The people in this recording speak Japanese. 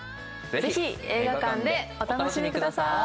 ぜひ映画館でお楽しみください。